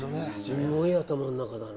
すごい頭の中だな。